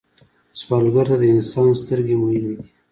سوالګر ته د انسان سترګې مهمې دي